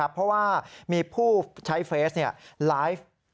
เพราะว่ามีผู้ใช้เฟสไลฟ์